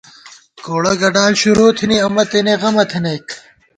گوڑہ گڈال شروع تھنی، امہ تېنے غمہ تھنَئیک